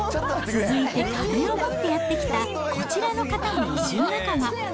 続いてカレーを持ってやって来たこちらの方も移住仲間。